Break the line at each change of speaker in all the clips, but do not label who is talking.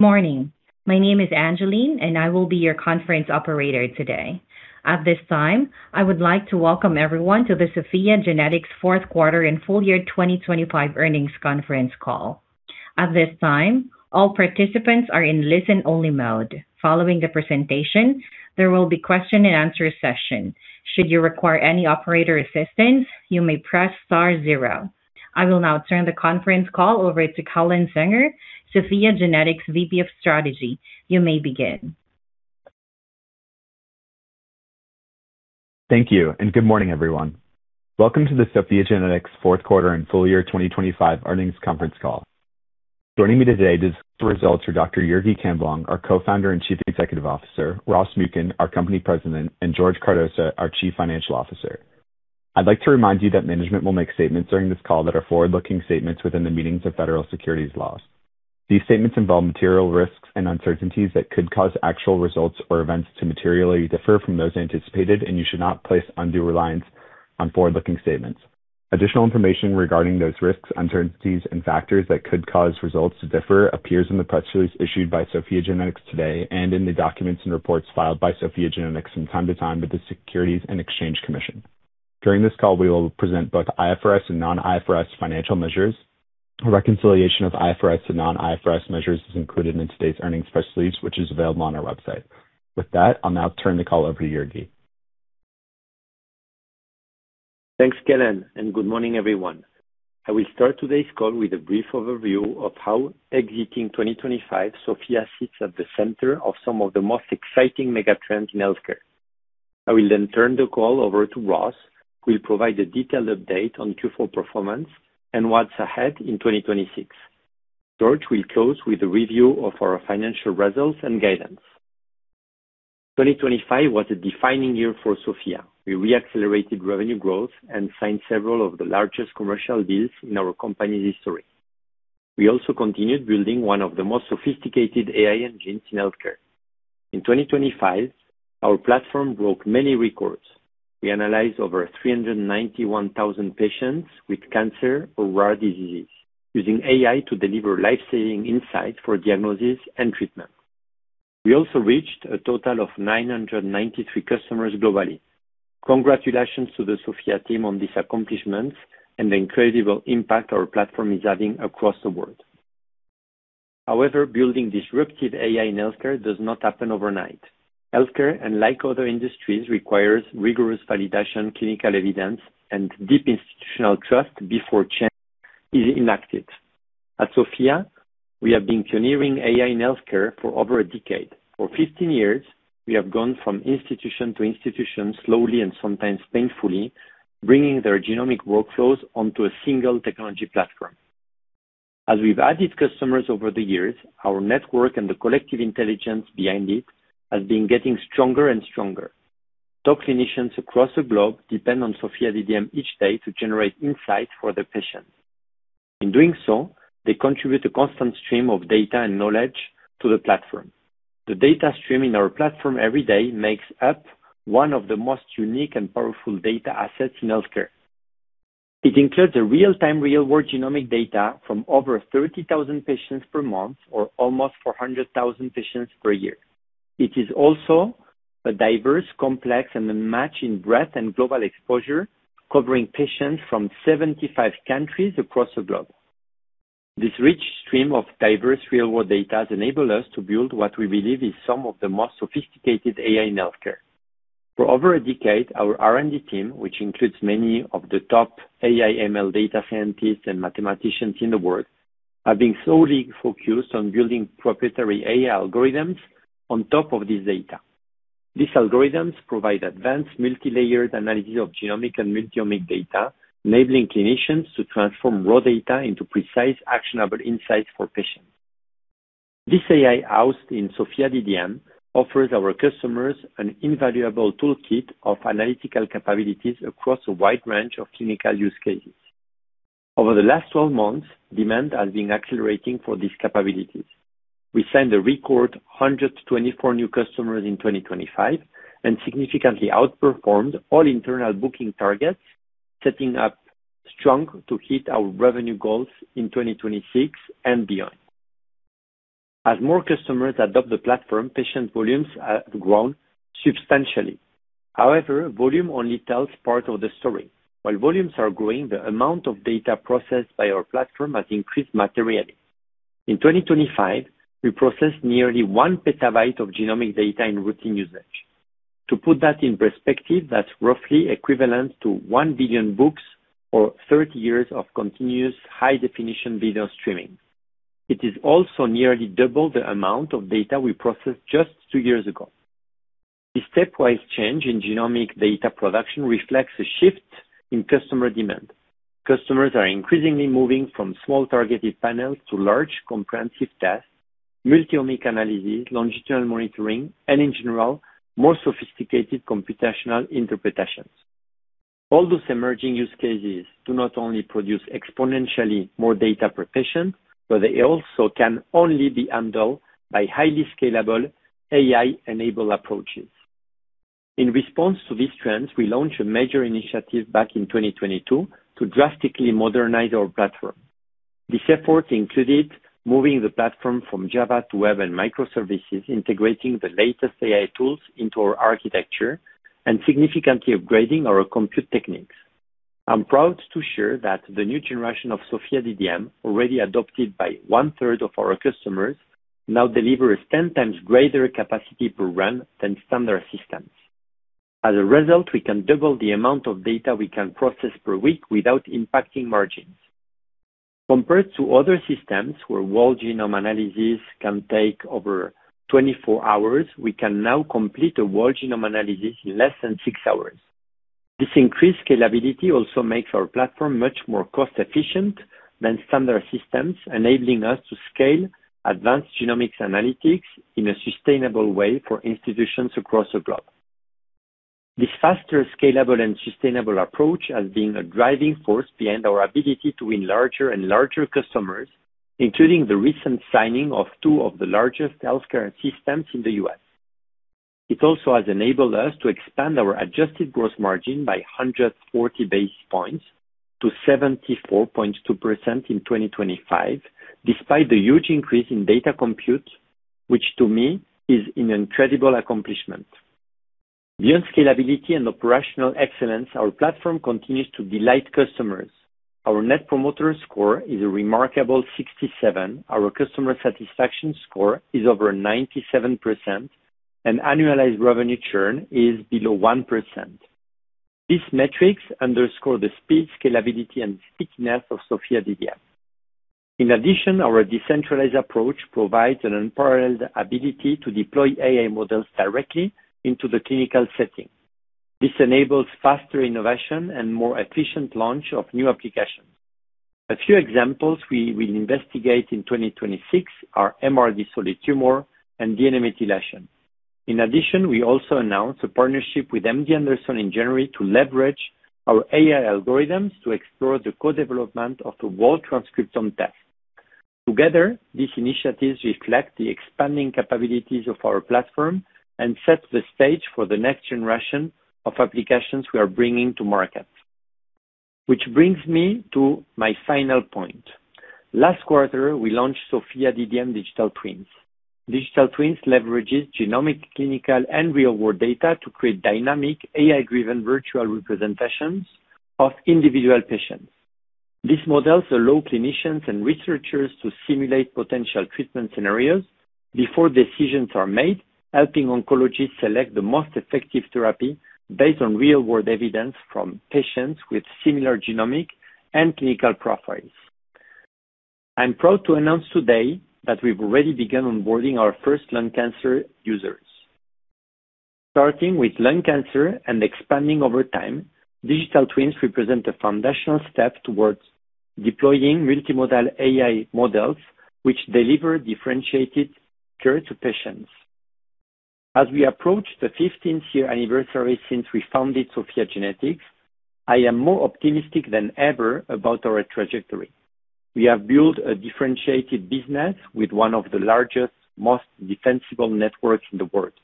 Morning. My is Angeline, and I will be your conference operator today. At this time, I would like to welcome everyone to the SOPHiA GENETICS Fourth Quarter and Full-Year 2025 Earnings Conference Call. At this time, all participants are in listen-only mode. Following the presentation, there will be question-and-answer session. Should you require any operator assistance, you may press star zero. I will now turn the conference call over to Kellen Sanger, SOPHiA GENETICS VP of Strategy. You may begin.
Thank you. Good morning, everyone. Welcome to the SOPHiA GENETICS Fourth Quarter and Full-Year 2025 Earnings Conference Call. Joining me today to discuss the results are Dr. Jurgi Camblong, our Co-founder and Chief Executive Officer, Ross Muken, our Company President, and George Cardoza, our Chief Financial Officer. I'd like to remind you that management will make statements during this call that are forward-looking statements within the meanings of federal securities laws. These statements involve material risks and uncertainties that could cause actual results or events to materially differ from those anticipated, and you should not place undue reliance on forward-looking statements. Additional information regarding those risks, uncertainties and factors that could cause results to differ appears in the press release issued by SOPHiA GENETICS today and in the documents and reports filed by SOPHiA GENETICS from time to time with the Securities and Exchange Commission. During this call, we will present both IFRS and non-IFRS financial measures. A reconciliation of IFRS to non-IFRS measures is included in today's earnings press release, which is available on our website. With that, I'll now turn the call over to Jurgi.
Thanks, Kellen. Good morning, everyone. I will start today's call with a brief overview of how exiting 2025 SOPHiA sits at the center of some of the most exciting megatrends in healthcare. I will then turn the call over to Ross, who will provide a detailed update on Q4 performance and what's ahead in 2026. George will close with a review of our financial results and guidance. 2025 was a defining year for SOPHiA. We re-accelerated revenue growth, signed several of the largest commercial deals in our company's history. We also continued building one of the most sophisticated AI engines in healthcare. In 2025, our platform broke many records. We analyzed over 391,000 patients with cancer or rare diseases using AI to deliver life-saving insights for diagnosis and treatment. We also reached a total of 993 customers globally. Congratulations to the SOPHiA team on these accomplishments and the incredible impact our platform is having across the world. However, building disruptive AI in healthcare does not happen overnight. Healthcare, unlike other industries, requires rigorous validation, clinical evidence, and deep institutional trust before change is enacted. At SOPHiA, we have been pioneering AI in healthcare for over a decade. For 15 years, we have gone from institution to institution slowly and sometimes painfully, bringing their genomic workflows onto a single technology platform. As we've added customers over the years, our network and the collective intelligence behind it has been getting stronger and stronger. Top clinicians across the globe depend on SOPHiA DDM each day to generate insights for their patients. In doing so, they contribute a constant stream of data and knowledge to the platform. The data stream in our platform every day makes up one of the most unique and powerful data assets in healthcare. It includes a real-time, real-world genomic data from over 30,000 patients per month or almost 400,000 patients per year. It is also a diverse, complex, and a match in breadth and global exposure, covering patients from 75 countries across the globe. This rich stream of diverse real-world data has enabled us to build what we believe is some of the most sophisticated AI in healthcare. For over a decade, our R&D team, which includes many of the top AI ML data scientists and mathematicians in the world, have been solely focused on building proprietary AI algorithms on top of this data. These algorithms provide advanced multi-layered analysis of genomic and multi-omic data, enabling clinicians to transform raw data into precise, actionable insights for patients. This AI, housed in SOPHiA DDM, offers our customers an invaluable toolkit of analytical capabilities across a wide range of clinical use cases. Over the last 12 months, demand has been accelerating for these capabilities. We signed a record 124 new customers in 2025 and significantly outperformed all internal booking targets, setting up strong to hit our revenue goals in 2026 and beyond. As more customers adopt the platform, patient volumes have grown substantially. However, volume only tells part of the story. While volumes are growing, the amount of data processed by our platform has increased materially. In 2025, we processed nearly 1 petabyte of genomic data in routine usage. To put that in perspective, that's roughly equivalent to 1 billion books or 30 years of continuous high-definition video streaming. It is also nearly double the amount of data we processed just two years ago. The stepwise change in genomic data production reflects a shift in customer demand. Customers are increasingly moving from small targeted panels to large comprehensive tests, multi-omic analysis, longitudinal monitoring, and in general, more sophisticated computational interpretations. All those emerging use cases do not only produce exponentially more data per patient, but they also can only be handled by highly scalable AI-enabled approaches. In response to these trends, we launched a major initiative back in 2022 to drastically modernize our platform. This effort included moving the platform from Java to web and microservices, integrating the latest AI tools into our architecture, and significantly upgrading our compute techniques. I'm proud to share that the new generation of SOPHiA DDM, already adopted by one-third of our customers, now delivers 10 times greater capacity per run than standard systems. As a result, we can double the amount of data we can process per week without impacting margins. Compared to other systems where whole-genome analysis can take over 24 hours, we can now complete a whole-genome analysis in less than six hours. This increased scalability also makes our platform much more cost-efficient than standard systems, enabling us to scale advanced genomics analytics in a sustainable way for institutions across the globe. This faster, scalable, and sustainable approach has been a driving force behind our ability to win larger and larger customers, including the recent signing of two of the largest healthcare systems in the U.S. It also has enabled us to expand our adjusted gross margin by 140 basis points to 74.2% in 2025, despite the huge increase in data compute, which to me is an incredible accomplishment. Beyond scalability and operational excellence, our platform continues to delight customers. Our net promoter score is a remarkable 67. Our customer satisfaction score is over 97%. Annualized revenue churn is below 1%. These metrics underscore the speed, scalability, and stickiness of SOPHiA DDM. In addition, our decentralized approach provides an unparalleled ability to deploy AI models directly into the clinical setting. This enables faster innovation and more efficient launch of new applications. A few examples we will investigate in 2026 are MRD solid tumor and DNA methylation. In addition, we also announced a partnership with MD Anderson in January to leverage our AI algorithms to explore the co-development of the whole transcriptome test. Together, these initiatives reflect the expanding capabilities of our platform and set the stage for the next generation of applications we are bringing to market. Which brings me to my final point. Last quarter, we launched SOPHiA DDM Digital Twins. Digital Twins leverages genomic, clinical, and real-world data to create dynamic AI-driven virtual representations of individual patients. These models allow clinicians and researchers to simulate potential treatment scenarios before decisions are made, helping oncologists select the most effective therapy based on real-world evidence from patients with similar genomic and clinical profiles. I'm proud to announce today that we've already begun onboarding our first lung cancer users. Starting with lung cancer and expanding over time, Digital Twins represent a foundational step towards deploying multimodal AI models, which deliver differentiated care to patients. As we approach the 15th year anniversary since we founded SOPHiA GENETICS, I am more optimistic than ever about our trajectory. We have built a differentiated business with one of the largest, most defensible networks in the world.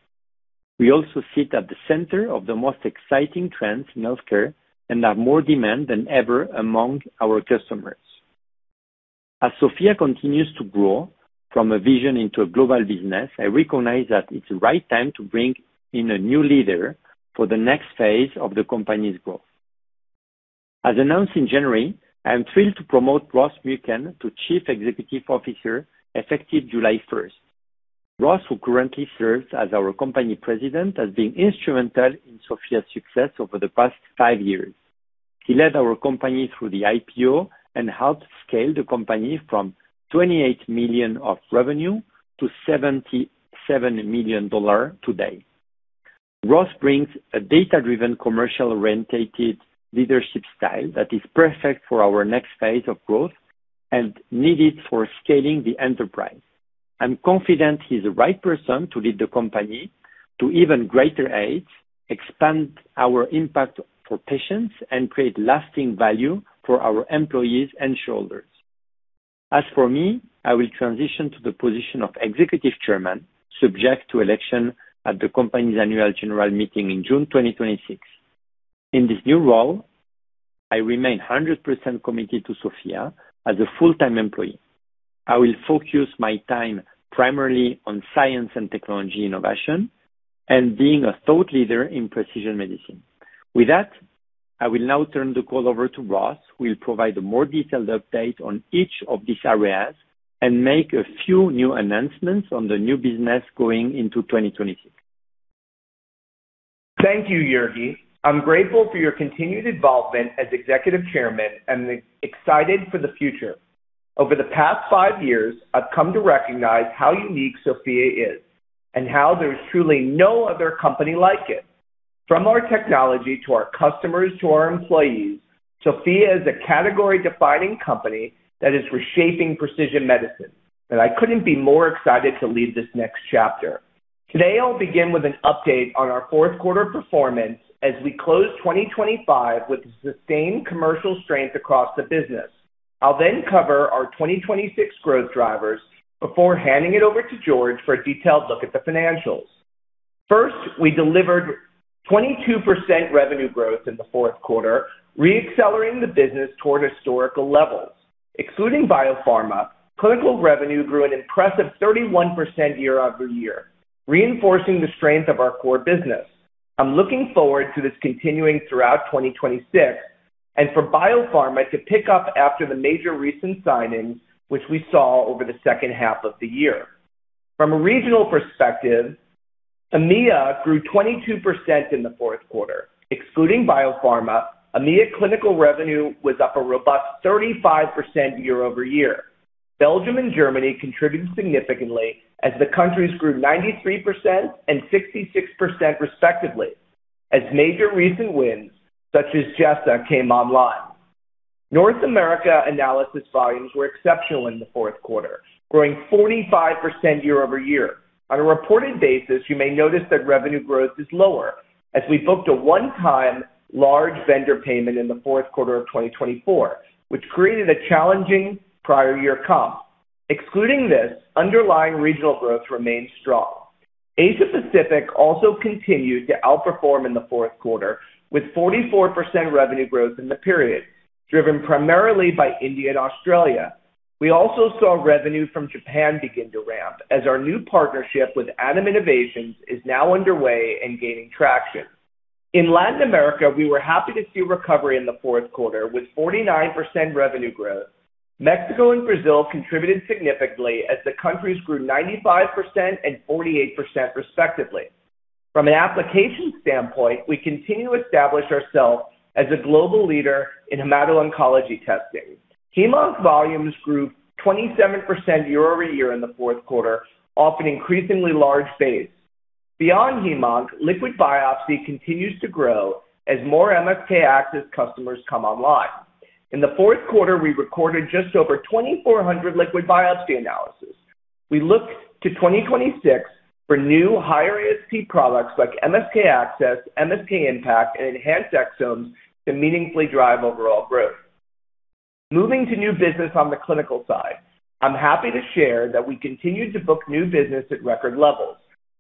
We also sit at the center of the most exciting trends in healthcare and have more demand than ever among our customers. As SOPHiA continues to grow from a vision into a global business, I recognize that it's the right time to bring in a new leader for the next phase of the company's growth. As announced in January, I am thrilled to promote Ross Muken to Chief Executive Officer effective July first. Ross, who currently serves as our company president, has been instrumental in SOPHiA's success over the past five years. He led our company through the IPO and helped scale the company from $28 million of revenue to $77 million today. Ross brings a data-driven, commercial-oriented leadership style that is perfect for our next phase of growth and needed for scaling the enterprise. I'm confident he's the right person to lead the company to even greater heights, expand our impact for patients, and create lasting value for our employees and shareholders. As for me, I will transition to the position of Executive Chairman, subject to election at the company's annual general meeting in June 2026. In this new role, I remain 100% committed to SOPHiA as a full-time employee. I will focus my time primarily on science and technology innovation and being a thought leader in precision medicine. With that, I will now turn the call over to Ross, who will provide a more detailed update on each of these areas and make a few new announcements on the new business going into 2026.
Thank you, Jurgi. I'm grateful for your continued involvement as Executive Chairman and excited for the future. Over the past five years, I've come to recognize how unique SOPHiA GENETICS is and how there is truly no other company like it. From our technology to our customers to our employees, SOPHiA GENETICS is a category-defining company that is reshaping precision medicine, and I couldn't be more excited to lead this next chapter. Today, I'll begin with an update on our fourth quarter performance as we close 2025 with sustained commercial strength across the business. I'll cover our 2026 growth drivers before handing it over to George Cardoza for a detailed look at the financials. First, we delivered 22% revenue growth in the fourth quarter, re-accelerating the business toward historical levels. Excluding biopharma, clinical revenue grew an impressive 31% year-over-year, reinforcing the strength of our core business. I'm looking forward to this continuing throughout 2026 and for biopharma to pick up after the major recent signings which we saw over the second half of the year. From a regional perspective, EMEA grew 22% in the fourth quarter. Excluding biopharma, EMEA clinical revenue was up a robust 35% year-over-year. Belgium and Germany contributed significantly as the countries grew 93% and 66% respectively, as major recent wins such as GZA came online. North America analysis volumes were exceptional in the fourth quarter, growing 45% year-over-year. On a reported basis, you may notice that revenue growth is lower as we booked a one-time large vendor payment in the fourth quarter of 2024, which created a challenging prior year comp. Excluding this, underlying regional growth remains strong. Asia Pacific also continued to outperform in the fourth quarter, with 44% revenue growth in the period, driven primarily by India and Australia. We also saw revenue from Japan begin to ramp as our new partnership with A.D.A.M. Innovations is now underway and gaining traction. In Latin America, we were happy to see recovery in the fourth quarter with 49% revenue growth. Mexico and Brazil contributed significantly as the countries grew 95% and 48% respectively. From an application standpoint, we continue to establish ourselves as a global leader in hemato-oncology testing. Hemonc volumes grew 27% year-over-year in the fourth quarter, off an increasingly large base. Beyond hemonc, liquid biopsy continues to grow as more MSK-ACCESS customers come online. In the fourth quarter, we recorded just over 2,400 liquid biopsy analysis. We look to 2026 for new higher ASP products like MSK-ACCESS, MSK-IMPACT, and Enhanced Exomes to meaningfully drive overall growth. Moving to new business on the clinical side, I'm happy to share that we continued to book new business at record levels.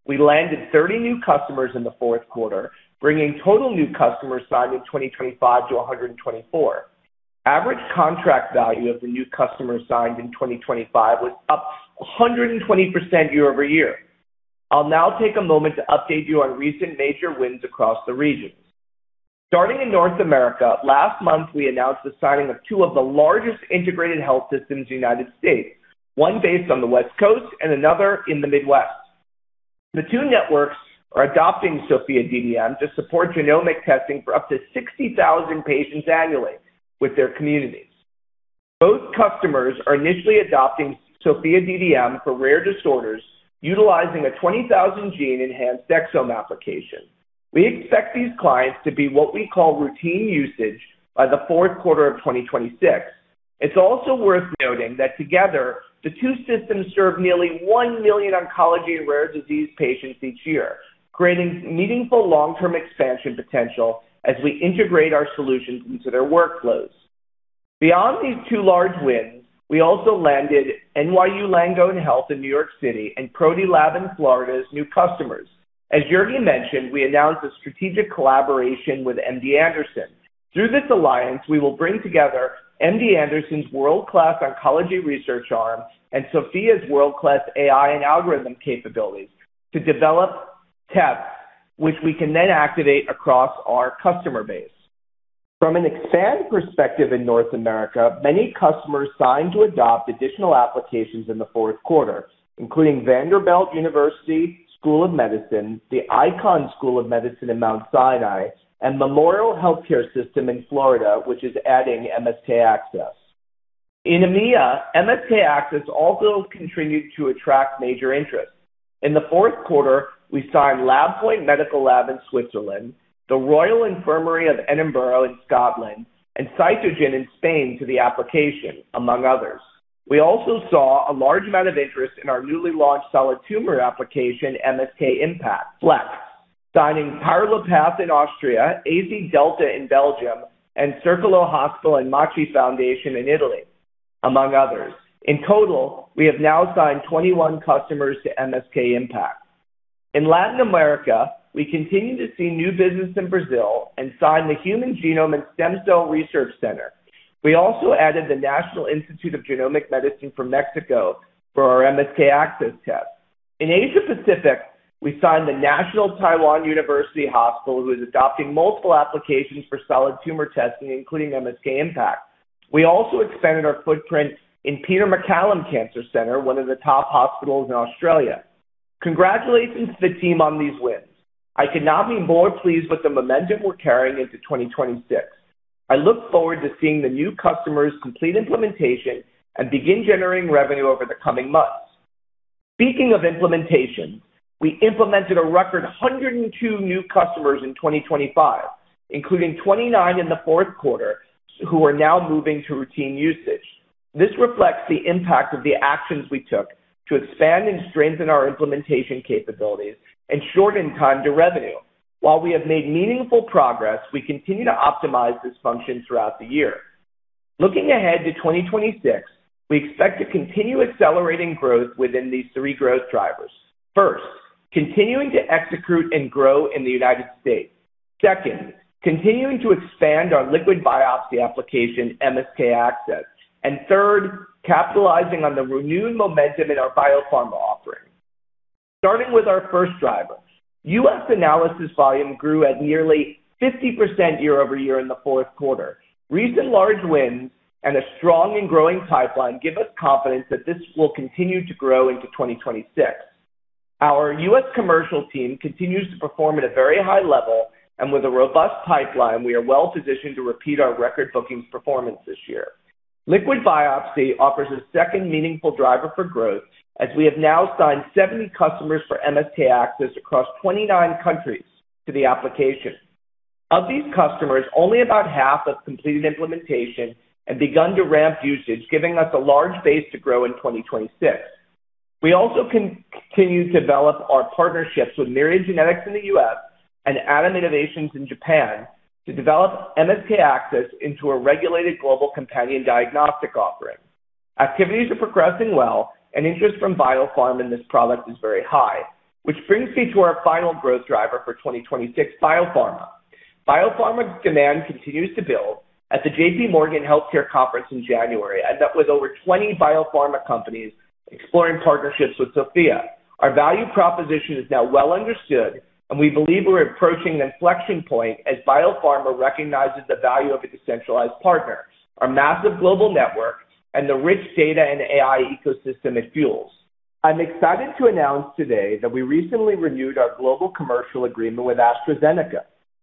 We landed 30 new customers in the fourth quarter, bringing total new customers signed in 2025 to 124. Average contract value of the new customers signed in 2025 was up 120% year-over-year. I'll now take a moment to update you on recent major wins across the regions. Starting in North America, last month, we announced the signing of two of the largest integrated health systems in the United States, one based on the West Coast and another in the Midwest. The two networks are adopting SOPHiA DDM to support genomic testing for up to 60,000 patients annually with their communities. Both customers are initially adopting SOPHiA DDM for rare disorders utilizing a 20,000 gene Enhanced Exome application. We expect these clients to be what we call routine usage by the fourth quarter of 2026. It's also worth noting that together, the two systems serve nearly one million oncology and rare disease patients each year, creating meaningful long-term expansion potential as we integrate our solutions into their workflows. Beyond these two large wins, we also landed NYU Langone Health in New York City and ProPath in Florida as new customers. As Jurgi mentioned, we announced a strategic collaboration with MD Anderson. Through this alliance, we will bring together MD Anderson's world-class oncology research arm and SOPHiA GENETICS' world-class AI and algorithm capabilities to develop tests which we can then activate across our customer base. From an expand perspective in North America, many customers signed to adopt additional applications in the fourth quarter, including Vanderbilt University School of Medicine, the Icahn School of Medicine at Mount Sinai, and Memorial Healthcare System in Florida, which is adding MSK-ACCESS. In EMEA, MSK-ACCESS also continued to attract major interest. In the fourth quarter, we signed Laboat Medical Lab in Switzerland, the Royal Infirmary of Edinburgh in Scotland, and Citogen in Spain to the application, among others. We also saw a large amount of interest in our newly launched solid tumor application, MSK-IMPACT Flex, signing Pathologie-Labor Dr. Parapat in Austria, AZ Delta in Belgium, and Ospedale di Circolo e Fondazione Macchi in Italy, among others. In total, we have now signed 21 customers to MSK-IMPACT. In Latin America, we continue to see new business in Brazil and signed the Human Genome and Stem Cell Research Center. We also added the National Institute of Genomic Medicine from Mexico for our MSK-ACCESS test. In Asia Pacific, we signed the National Taiwan University Hospital, who is adopting multiple applications for solid tumor testing, including MSK-IMPACT. We also expanded our footprint in Peter MacCallum Cancer Centre, one of the top hospitals in Australia. Congratulations to the team on these wins. I could not be more pleased with the momentum we're carrying into 2026. I look forward to seeing the new customers complete implementation and begin generating revenue over the coming months. Speaking of implementation, we implemented a record 102 new customers in 2025, including 29 in the fourth quarter, who are now moving to routine usage. This reflects the impact of the actions we took to expand and strengthen our implementation capabilities and shorten time to revenue. While we have made meaningful progress, we continue to optimize this function throughout the year. Looking ahead to 2026, we expect to continue accelerating growth within these three growth drivers. First, continuing to execute and grow in the United States. Second, continuing to expand our liquid biopsy application, MSK-ACCESS. Third, capitalizing on the renewed momentum in our biopharma offering. Starting with our first driver, U.S. analysis volume grew at nearly 50% year-over-year in the fourth quarter. Recent large wins and a strong and growing pipeline give us confidence that this will continue to grow into 2026. Our U.S. commercial team continues to perform at a very high level and with a robust pipeline, we are well-positioned to repeat our record bookings performance this year. Liquid biopsy offers a second meaningful driver for growth, as we have now signed 70 customers for MSK-ACCESS across 29 countries to the application. Of these customers, only about half have completed implementation and begun to ramp usage, giving us a large base to grow in 2026. We also continue to develop our partnerships with Myriad Genetics in the U.S. and A.D.A.M. Innovations in Japan to develop MSK-ACCESS into a regulated global companion diagnostic offering. Activities are progressing well. Interest from biopharma in this product is very high, which brings me to our final growth driver for 2026, biopharma. Biopharma demand continues to build. At the JPMorgan Healthcare Conference in January, I met with over 20 biopharma companies exploring partnerships with SOPHiA GENETICS. Our value proposition is now well understood. We believe we're approaching an inflection point as biopharma recognizes the value of a decentralized partner, our massive global network, and the rich data and AI ecosystem it fuels. I'm excited to announce today that we recently renewed our global commercial agreement with AstraZeneca.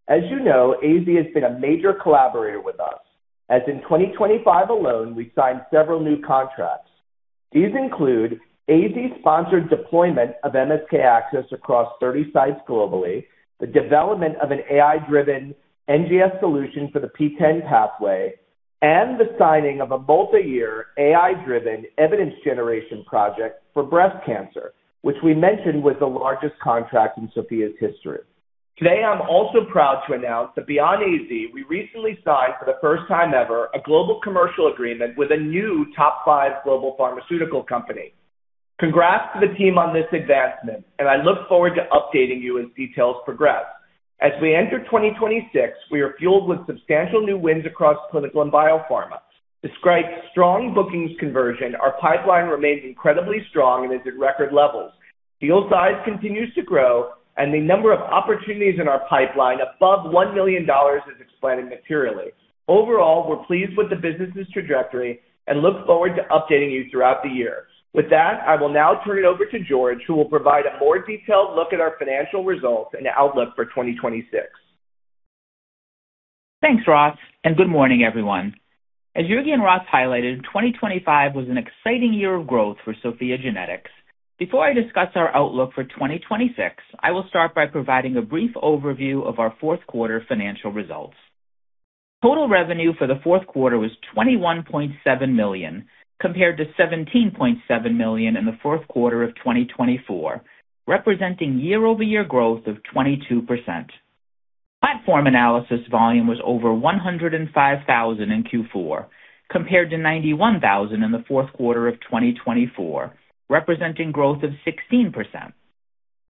As you know, AZ has been a major collaborator with us, as in 2025 alone, we signed several new contracts. These include AZ-sponsored deployment of MSK-ACCESS across 30 sites globally, the development of an AI-driven NGS solution for the PTEN pathway, and the signing of a multiyear AI-driven evidence generation project for breast cancer, which we mentioned was the largest contract in SOPHiA's history. Today, I'm also proud to announce that beyond AZ, we recently signed for the first time ever, a global commercial agreement with a new top 5 global pharmaceutical company. Congrats to the team on this advancement, and I look forward to updating you as details progress. As we enter 2026, we are fueled with substantial new wins across clinical and biopharma. Despite strong bookings conversion, our pipeline remains incredibly strong and is at record levels. Deal size continues to grow, and the number of opportunities in our pipeline above $1 million is expanding materially. Overall, we're pleased with the business's trajectory and look forward to updating you throughout the year. With that, I will now turn it over to George, who will provide a more detailed look at our financial results and outlook for 2026.
Thanks, Ross, good morning, everyone. As Jurgi and Ross highlighted, 2025 was an exciting year of growth for SOPHiA GENETICS. Before I discuss our outlook for 2026, I will start by providing a brief overview of our fourth quarter financial results. Total revenue for the fourth quarter was $21.7 million, compared to $17.7 million in the fourth quarter of 2024, representing year-over-year growth of 22%. Platform analysis volume was over 105,000 in Q4, compared to 91,000 in the fourth quarter of 2024, representing growth of 16%.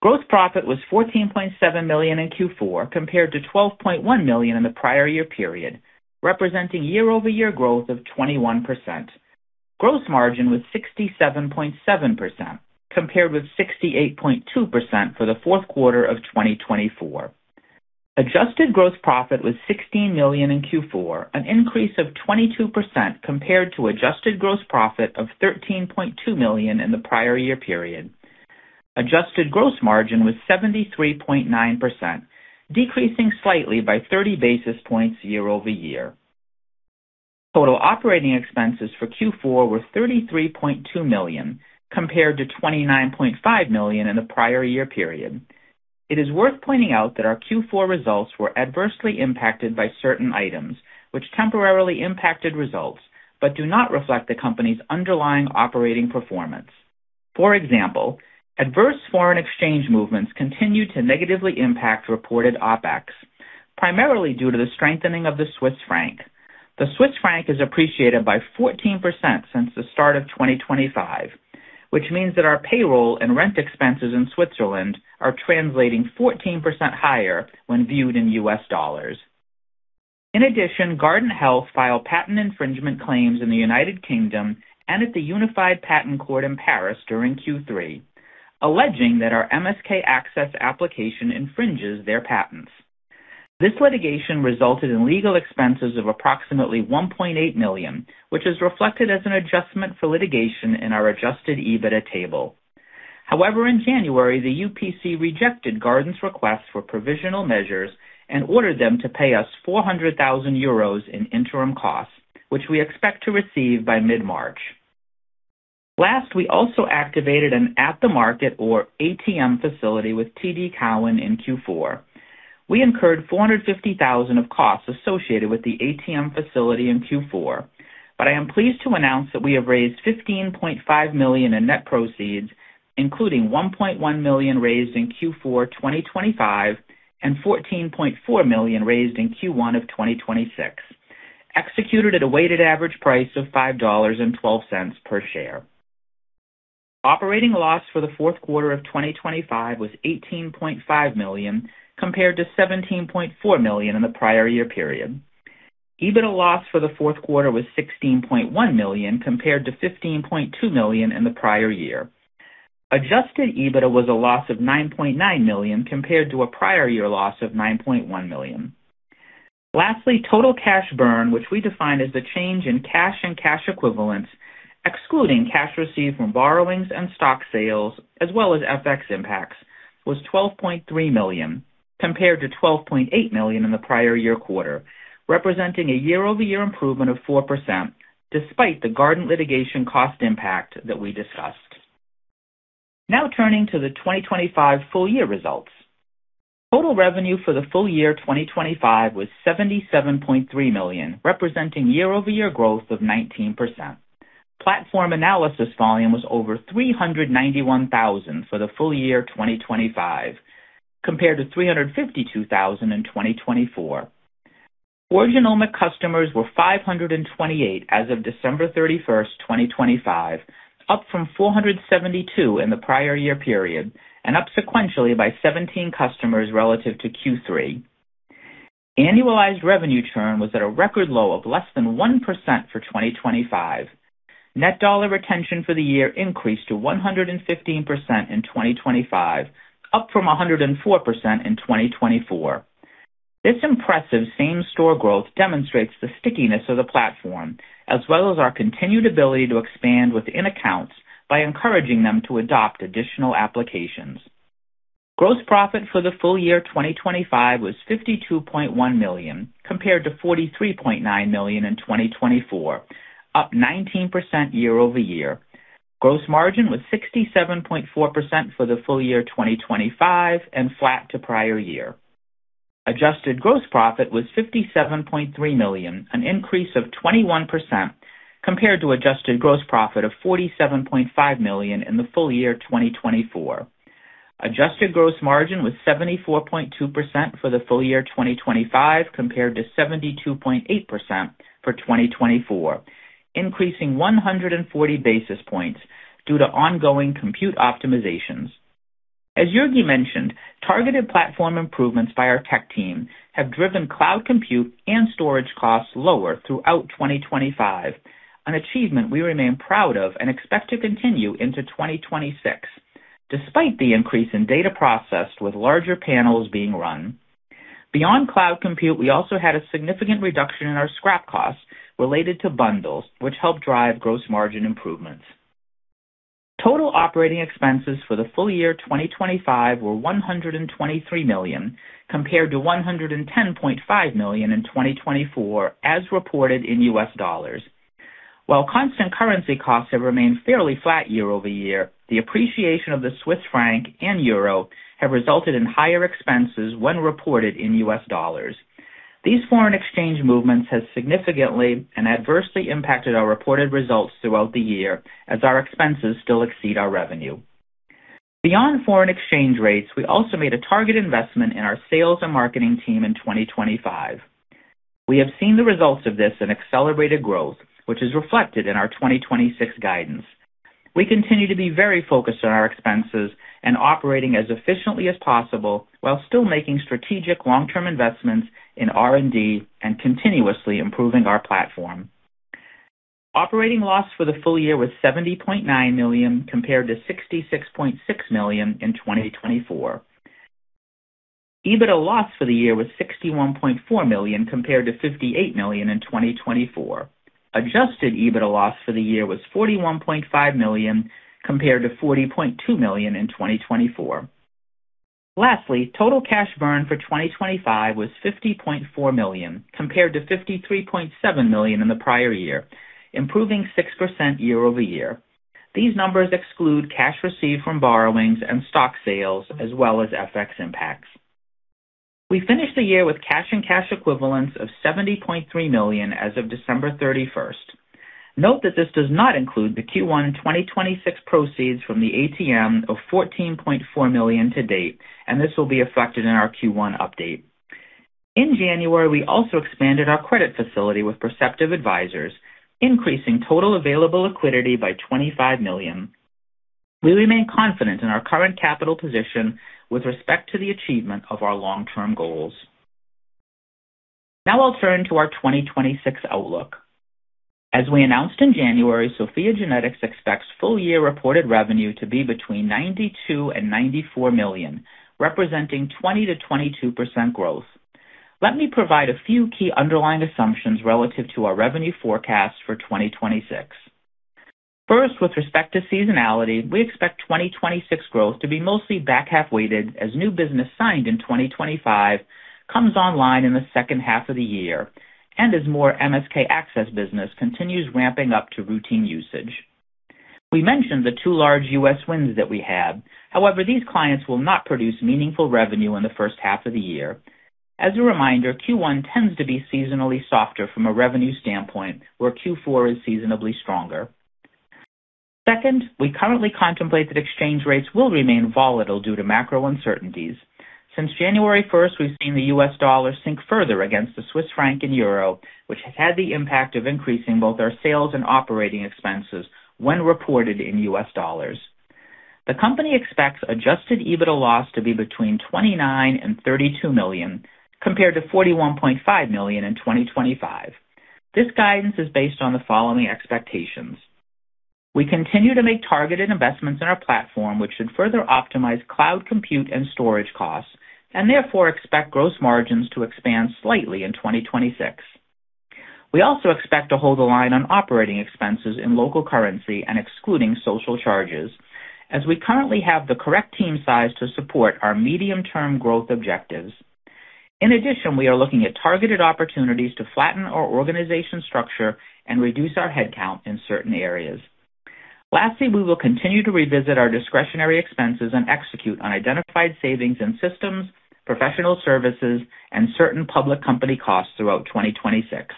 Gross profit was $14.7 million in Q4, compared to $12.1 million in the prior year period, representing year-over-year growth of 21%. Gross margin was 67.7%, compared with 68.2% for the fourth quarter of 2024. Adjusted gross profit was $16 million in Q4, an increase of 22% compared to adjusted gross profit of $13.2 million in the prior year period. Adjusted gross margin was 73.9%, decreasing slightly by 30 basis points year-over-year. Total operating expenses for Q4 were $33.2 million, compared to $29.5 million in the prior year period. It is worth pointing out that our Q4 results were adversely impacted by certain items which temporarily impacted results but do not reflect the company's underlying operating performance. For example, adverse foreign exchange movements continued to negatively impact reported OpEx, primarily due to the strengthening of the Swiss franc. The Swiss franc has appreciated by 14% since the start of 2025, which means that our payroll and rent expenses in Switzerland are translating 14% higher when viewed in US dollars. Guardant Health filed patent infringement claims in the United Kingdom and at the Unified Patent Court in Paris during Q3, alleging that our MSK-ACCESS application infringes their patents. This litigation resulted in legal expenses of approximately $1.8 million, which is reflected as an adjustment for litigation in our Adjusted EBITDA table. In January, the UPC rejected Guardant's request for provisional measures and ordered them to pay us 400,000 euros in interim costs, which we expect to receive by mid-March. We also activated an at-the-market or ATM facility with TD Cowen in Q4. We incurred $450,000 of costs associated with the ATM facility in Q4. I am pleased to announce that we have raised $15.5 million in net proceeds, including $1.1 million raised in Q4 2025 and $14.4 million raised in Q1 2026, executed at a weighted average price of $5.12 per share. Operating loss for the fourth quarter of 2025 was $18.5 million, compared to $17.4 million in the prior year period. EBITDA loss for the fourth quarter was $16.1 million, compared to $15.2 million in the prior year. Adjusted EBITDA was a loss of $9.9 million compared to a prior year loss of $9.1 million. Lastly, total cash burn, which we define as the change in cash and cash equivalents, excluding cash received from borrowings and stock sales as well as FX impacts, was $12.3 million compared to $12.8 million in the prior year quarter, representing a year-over-year improvement of 4% despite the Guardant litigation cost impact that we discussed. Now turning to the 2025 full-year results. Total revenue for the full- year 2025 was $77.3 million, epresenting year-over-year growth of 19%. Platform analysis volume was over 391,000 for the full-year 2025 compared to 352,000 in 2024. Our genomic customers were 528 as of December 31st, 2025, up from 472 in the prior year period and up sequentially by 17 customers relative to Q3. Annualized revenue churn was at a record low of less than 1% for 2025. Net dollar retention for the year increased to 115% in 2025, up from 104% in 2024. This impressive same-store growth demonstrates the stickiness of the platform, as well as our continued ability to expand within accounts by encouraging them to adopt additional applications. Gross profit for the full-year 2025 was $52.1 million compared to $43.9 million in 2024, up 19% year-over-year. Gross margin was 67.4% for the full-year 2025 and flat to prior year. Adjusted gross profit was $57.3 million, an increase of 21% compared to adjusted gross profit of $47.5 million in the full-year 2024. Adjusted gross margin was 74.2% for the full-year 2025 compared to 72.8% for 2024, increasing 140 basis points due to ongoing compute optimizations. As Jurgi mentioned, targeted platform improvements by our tech team have driven cloud compute and storage costs lower throughout 2025, an achievement we remain proud of and expect to continue into 2026, despite the increase in data processed with larger panels being run. Beyond cloud compute, we also had a significant reduction in our scrap costs related to bundles, which helped drive gross margin improvements. Total operating expenses for the full-year 2025 were $123 million compared to $110.5 million in 2024 as reported in US dollars. While constant currency costs have remained fairly flat year-over-year, the appreciation of the Swiss franc and euro have resulted in higher expenses when reported in US dollars. These foreign exchange movements has significantly and adversely impacted our reported results throughout the year as our expenses still exceed our revenue. Beyond foreign exchange rates, we also made a target investment in our sales and marketing team in 2025. We have seen the results of this in accelerated growth, which is reflected in our 2026 guidance. We continue to be very focused on our expenses and operating as efficiently as possible while still making strategic long-term investments in R&D and continuously improving our platform. Operating loss for the full-year was $70.9 million compared to $66.6 million in 2024. EBITDA loss for the year was $61.4 million compared to $58 million in 2024. Adjusted EBITDA loss for the year was $41.5 million compared to $40.2 million in 2024. Lastly, total cash burn for 2025 was $50.4 million compared to $53.7 million in the prior year, improving 6% year-over-year. These numbers exclude cash received from borrowings and stock sales as well as FX impacts. We finished the year with cash and cash equivalents of $70.3 million as of December 31st. Note that this does not include the Q1 2026 proceeds from the ATM of $14.4 million to date, and this will be affected in our Q1 update. In January, we also expanded our credit facility with Perceptive Advisors, increasing total available liquidity by $25 million. We remain confident in our current capital position with respect to the achievement of our long-term goals. I'll turn to our 2026 outlook. As we announced in January, SOPHiA GENETICS expects full-year reported revenue to be between $92 million and $94 million, representing 20%-22% growth. Let me provide a few key underlying assumptions relative to our revenue forecast for 2026. With respect to seasonality, we expect 2026 growth to be mostly back-half weighted as new business signed in 2025 comes online in the second half of the year and as more MSK-ACCESS business continues ramping up to routine usage. We mentioned the two large U.S. wins that we have. These clients will not produce meaningful revenue in the first half of the year. As a reminder, Q1 tends to be seasonally softer from a revenue standpoint, where Q4 is seasonably stronger. We currently contemplate that exchange rates will remain volatile due to macro uncertainties. Since January first, we've seen the US dollar sink further against the Swiss franc and euro, which has had the impact of increasing both our sales and operating expenses when reported in US dollars. The company expects adjusted EBITDA loss to be between $29 million and $32 million, compared to $41.5 million in 2025. This guidance is based on the following expectations. We continue to make targeted investments in our platform, which should further optimize cloud compute and storage costs, and therefore expect gross margins to expand slightly in 2026. We also expect to hold the line on operating expenses in local currency and excluding social charges, as we currently have the correct team size to support our medium-term growth objectives. In addition, we are looking at targeted opportunities to flatten our organization structure and reduce our headcount in certain areas. Lastly, we will continue to revisit our discretionary expenses and execute on identified savings in systems, professional services, and certain public company costs throughout 2026.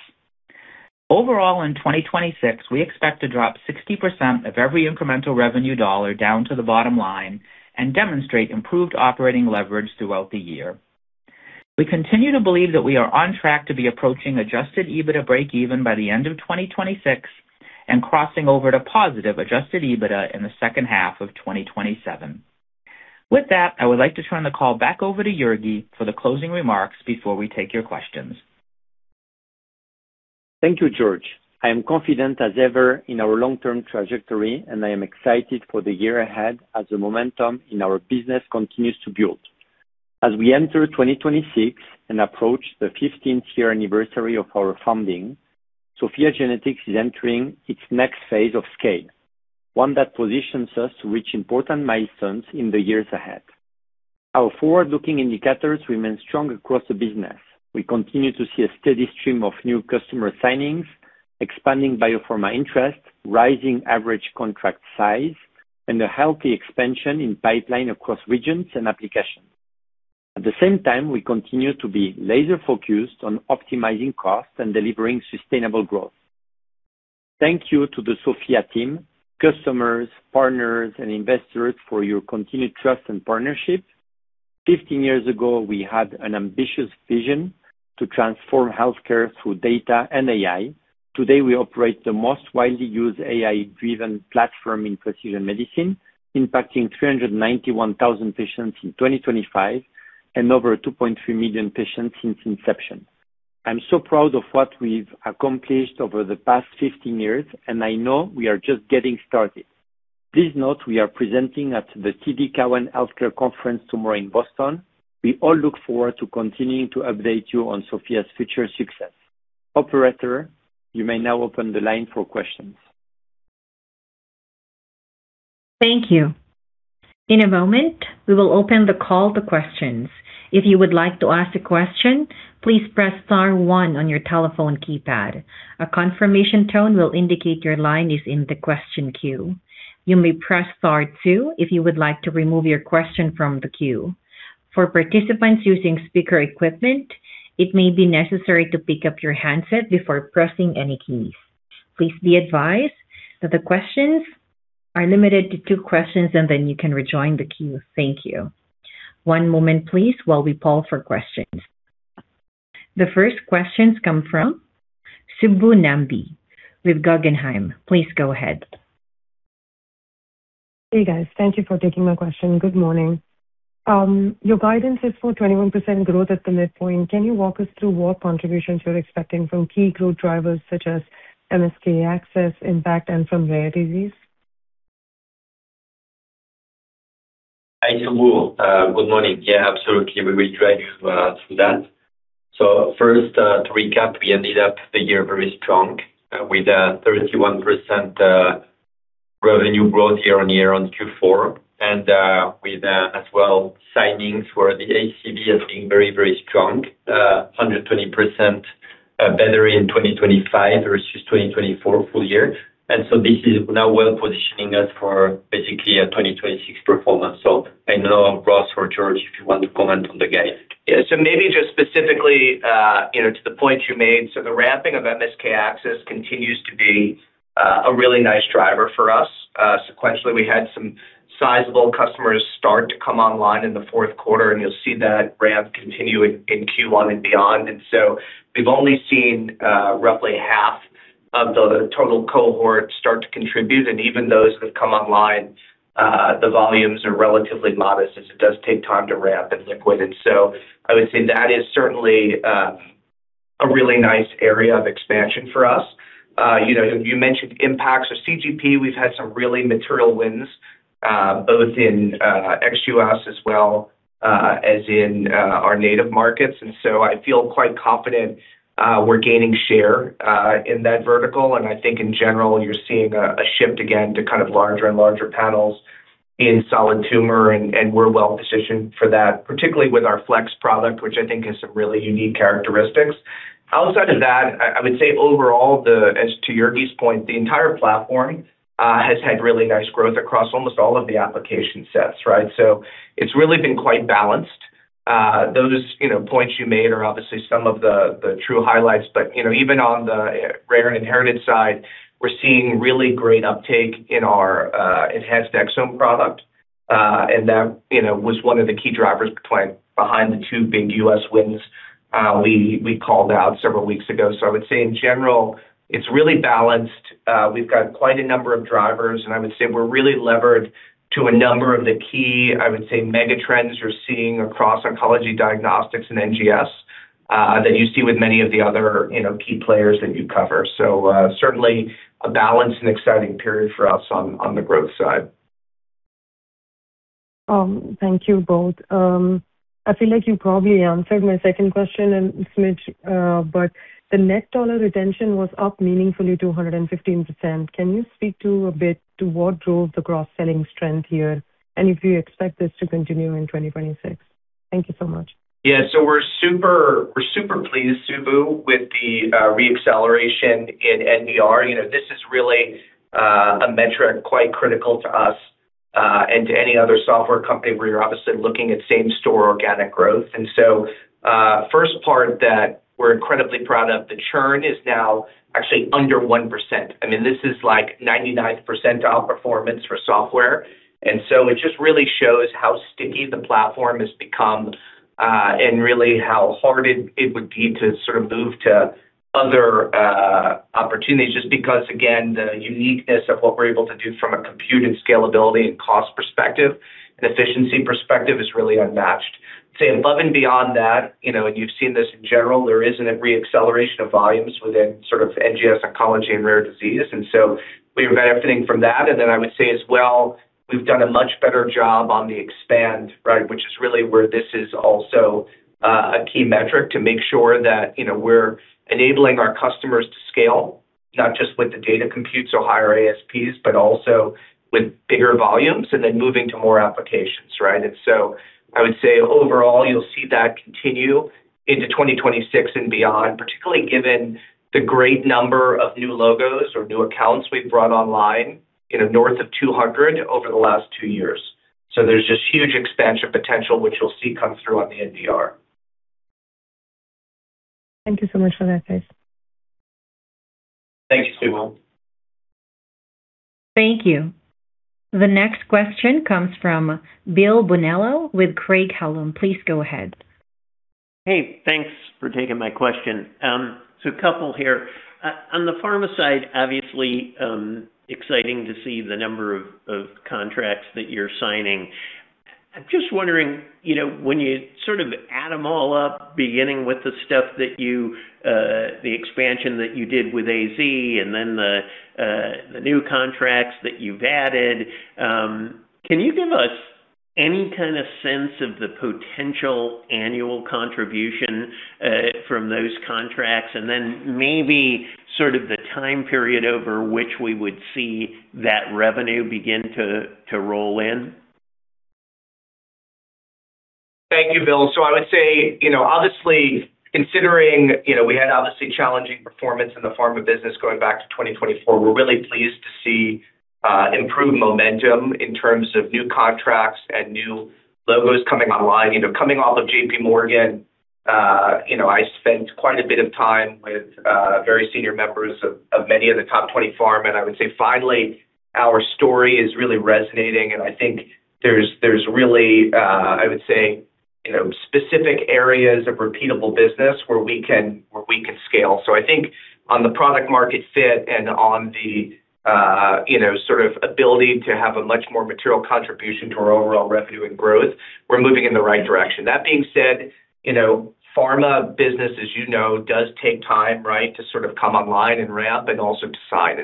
Overall, in 2026, we expect to drop 60% of every incremental revenue dollar down to the bottom line and demonstrate improved operating leverage throughout the year. We continue to believe that we are on track to be approaching Adjusted EBITDA breakeven by the end of 2026 and crossing over to positive Adjusted EBITDA in the second half of 2027. With that, I would like to turn the call back over to Jurgi for the closing remarks before we take your questions.
Thank you, George. I am confident as ever in our long-term trajectory. I am excited for the year ahead as the momentum in our business continues to build. As we enter 2026 and approach the 15th-year anniversary of our founding, SOPHiA GENETICS is entering its next phase of scale, one that positions us to reach important milestones in the years ahead. Our forward-looking indicators remain strong across the business. We continue to see a steady stream of new customer signings, expanding biopharma interest, rising average contract size, and a healthy expansion in pipeline across regions and applications. At the same time, we continue to be laser-focused on optimizing costs and delivering sustainable growth. Thank you to the SOPHiA team, customers, partners, and investors for your continued trust and partnership. 15 years ago, we had an ambitious vision to transform healthcare through data and AI. Today, we operate the most widely used AI-driven platform in precision medicine, impacting 391,000 patients in 2025 and over 2.3 million patients since inception. I'm so proud of what we've accomplished over the past 15 years, and I know we are just getting started. Please note we are presenting at the TD Cowen Health Care Conference tomorrow in Boston. We all look forward to continuing to update you on SOPHiA's future success. Operator, you may now open the line for questions.
Thank you. In a moment, we will open the call to questions. If you would like to ask a question, please press star one on your telephone keypad. A confirmation tone will indicate your line is in the question queue. You may press star two if you would like to remove your question from the queue. For participants using speaker equipment, it may be necessary to pick up your handset before pressing any keys. Please be advised that the questions are limited to two questions, and then you can rejoin the queue. Thank you. One moment, please, while we poll for questions. The first questions come from Subbu Nambi with Guggenheim. Please go ahead.
Hey, guys. Thank you for taking my question. Good morning. Your guidance is for 21% growth at the midpoint. Can you walk us through what contributions you're expecting from key growth drivers such as MSK-ACCESS IMPACT and from rare disease?
Hi, Subbu. Good morning. Yeah, absolutely. We will drag you through that. First, to recap, we ended up the year very strong with a 31% revenue growth year-over-year on Q4, with as well signings for the ACV as being very, very strong. 120% better in 2025 versus 2024 full-year. This is now well positioning us for basically a 2026 performance. I know, Ross or George, if you want to comment on the guide.
Maybe just specifically, you know, to the point you made, the ramping of MSK-ACCESS continues to be a really nice driver for us. Sequentially, we had some sizable customers start to come online in the fourth quarter, and you'll see that ramp continue in Q1 and beyond. We've only seen roughly half of the total cohort start to contribute. Even those that come online, the volumes are relatively modest as it does take time to ramp and liquid. I would say that is certainly a really nice area of expansion for us. You know, you mentioned impacts of CGP. We've had some really material wins, both in ex U.S. as well, as in our native markets. I feel quite confident, we're gaining share, in that vertical. I think in general, you're seeing a shift again to kind of larger and larger panels. In solid tumor, we're well-positioned for that, particularly with our flex product, which I think has some really unique characteristics. Outside of that, I would say overall, as to Jurgi's point, the entire platform has had really nice growth across almost all of the application sets, right? It's really been quite balanced. Those, you know, points you made are obviously some of the true highlights. You know, even on the rare and inherited side, we're seeing really great uptake in our Enhanced Exomes product. And that, you know, was one of the key drivers behind the two big U.S. wins we called out several weeks ago. I would say in general, it's really balanced. We've got quite a number of drivers, and I would say we're really levered to a number of the key, I would say, mega trends you're seeing across oncology, diagnostics and NGS that you see with many of the other, you know, key players that you cover. Certainly a balanced and exciting period for us on the growth side.
Thank you both. I feel like you probably answered my second question and smidge. The net dollar retention was up meaningfully to 115%. Can you speak to a bit to what drove the cross-selling strength here, and if you expect this to continue in 2026? Thank you so much.
We're super pleased, Subbu, with the re-acceleration in NDR. You know, this is really a metric quite critical to us and to any other software company where you're obviously looking at same-store organic growth. First part that we're incredibly proud of, the churn is now actually under 1%. I mean, this is like 99 percentile performance for software. It just really shows how sticky the platform has become and really how hard it would be to sort of move to other opportunities just because again, the uniqueness of what we're able to do from a compute and scalability and cost perspective and efficiency perspective is really unmatched. I'd say above and beyond that, you know, and you've seen this in general, there is a re-acceleration of volumes within sort of NGS, oncology, and rare disease. We're benefiting from that. I would say as well, we've done a much better job on the expand, right? Which is really where this is also a key metric to make sure that, you know, we're enabling our customers to scale not just with the data computes or higher ASPs, but also with bigger volumes and then moving to more applications, right? I would say overall you'll see that continue into 2026 and beyond, particularly given the great number of new logos or new accounts we've brought online, you know, north of 200 over the last two years. There's just huge expansion potential, which you'll see come through on the NDR.
Thank you so much for that, George.
Thanks, Subbu.
Thank you. The next question comes from Bill Bonello with Craig-Hallum. Please go ahead.
Hey, thanks for taking my question. A couple here. On the pharma side, obviously, exciting to see the number of contracts that you're signing. I'm just wondering, you know, when you sort of add them all up, beginning with the stuff that you, the expansion that you did with AZ and then the new contracts that you've added, can you give us any kind of sense of the potential annual contribution from those contracts and then maybe sort of the time period over which we would see that revenue begin to roll in?
Thank you, Bill. I would say, you know, obviously considering, you know, we had obviously challenging performance in the pharma business going back to 2024. We're really pleased to see improved momentum in terms of new contracts and new logos coming online. You know, coming off of JPMorgan, you know, I spent quite a bit of time with very senior members of many of the top 20 pharma, and I would say finally our story is really resonating. I think there's really, I would say, you know, specific areas of repeatable business where we can scale. I think on the product market fit and on the, you know, sort of ability to have a much more material contribution to our overall revenue and growth, we're moving in the right direction. That being said, you know, pharma business, as you know, does take time, right, to sort of come online and ramp and also decide.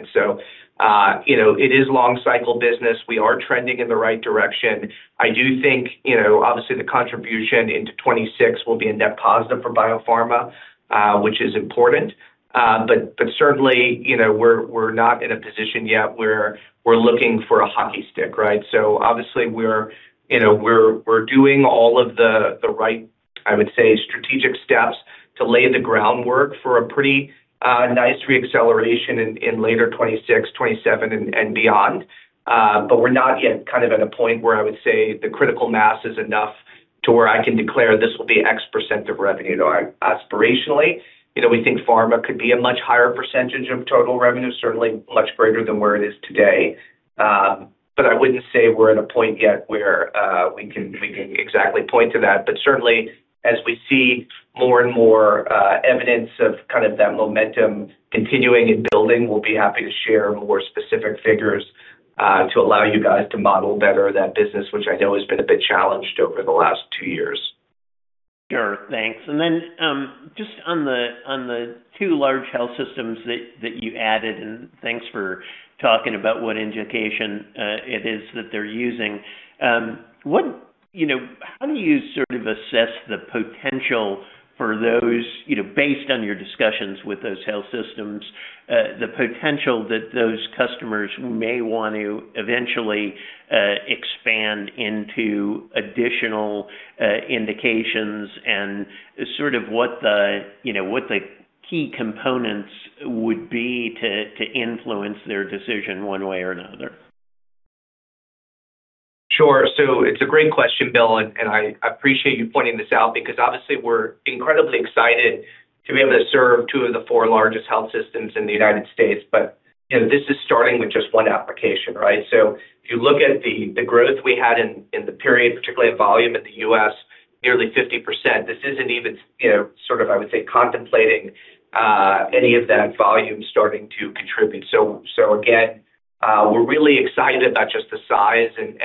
You know, it is long cycle business. We are trending in the right direction. I do think, you know, obviously the contribution into 2026 will be a net positive for biopharma, which is important. Certainly, you know, we're not in a position yet where we're looking for a hockey stick, right? Obviously we're, you know, we're doing all of the right, I would say, strategic steps to lay the groundwork for a pretty nice re-acceleration in later 2026, 2027 and beyond. We're not yet kind of at a point where I would say the critical mass is enough to where I can declare this will be X% of revenue. Aspirationally, you know, we think pharma could be a much higher percentage of total revenue, certainly much greater than where it is today. I wouldn't say we're at a point yet where we can exactly point to that. Certainly as we see more and more evidence of kind of that momentum continuing and building, we'll be happy to share more specific figures to allow you guys to model better that business, which I know has been a bit challenged over the last two years.
Sure. Thanks. Just on the two large health systems that you added, thanks for talking about what indication it is that they're using. You know, how do you sort of assess the potential for those, you know, based on your discussions with those health systems, the potential that those customers may want to eventually, expand into additional, indications and sort of what the, you know, what the key components would be to influence their decision one way or another?
Sure. It's a great question, Bill, and I appreciate you pointing this out because obviously we're incredibly excited to be able to serve two of the four largest health systems in the United States. You know, this is starting with just one application, right? If you look at the growth we had in the period, particularly in volume in the U.S., nearly 50%, this isn't even, you know, sort of, I would say, contemplating any of that volume starting to contribute. Again, we're really excited about just the size and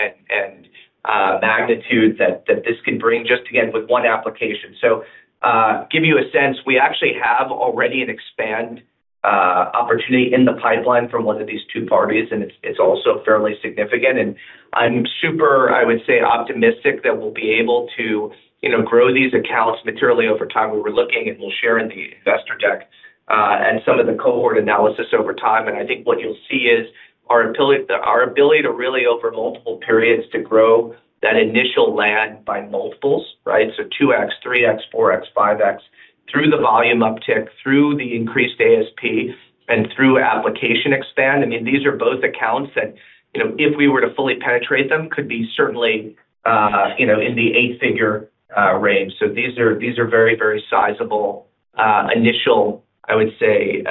magnitude that this can bring just again with one application. Give you a sense, we actually have already an expand opportunity in the pipeline from one of these two parties, and it's also fairly significant. I'm super, I would say, optimistic that we'll be able to, you know, grow these accounts materially over time where we're looking and we'll share in the investor deck, and some of the cohort analysis over time. I think what you'll see is our ability to really over multiple periods to grow that initial land by multiples, right? So 2x, 3x, 4x, 5x through the volume uptick, through the increased ASP and through application expand. I mean, these are both accounts that, you know, if we were to fully penetrate them, could be certainly, you know, in the 8-figure range. These are very, very sizable initial, I would say,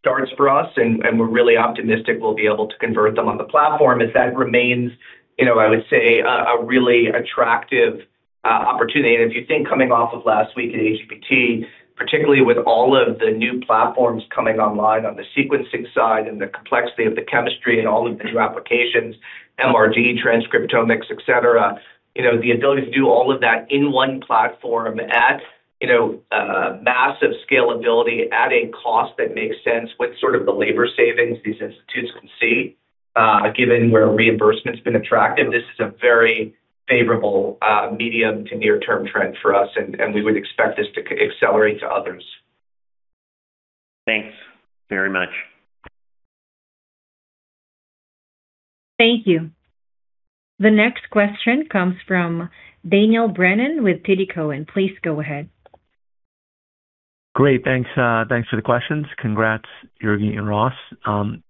starts for us, and we're really optimistic we'll be able to convert them on the platform as that remains, I would say, a really attractive opportunity. If you think coming off of last week at AGBT, particularly with all of the new platforms coming online on the sequencing side and the complexity of the chemistry and all of the new applications, MRD, transcriptomics, et cetera. The ability to do all of that in one platform at massive scalability at a cost that makes sense with sort of the labor savings these institutes can see, given where reimbursement's been attractive, this is a very favorable medium to near-term trend for us, and we would expect this to accelerate to others.
Thanks very much.
Thank you. The next question comes from Daniel Brennan with TD Cowen. Please go ahead.
Great. Thanks, thanks for the questions. Congrats, Jurgi and Ross.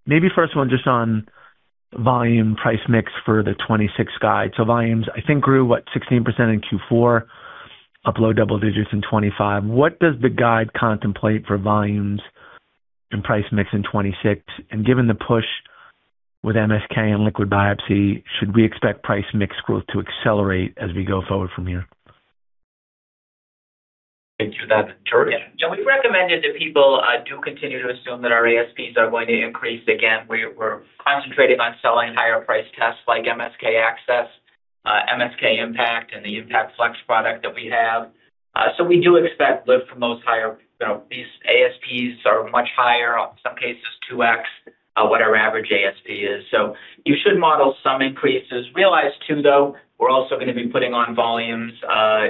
Maybe first one just on volume price mix for the 2026 guide. Volumes, I think, grew, what, 16% in Q4, up low double digits in 2025. What does the guide contemplate for volumes and price mix in 2026? Given the push with MSK and liquid biopsy, should we expect price mix growth to accelerate as we go forward from here?
Thank you. That's George.
We've recommended that people do continue to assume that our ASPs are going to increase. We're concentrating on selling higher priced tests like MSK-ACCESS, MSK-IMPACT and the MSK-IMPACT Flex product that we have. We do expect lift from those. You know, these ASPs are much higher, in some cases 2x, what our average ASP is. You should model some increases. Realize too, though, we're also going to be putting on volumes